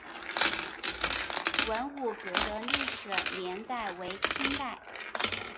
文武阁的历史年代为清代。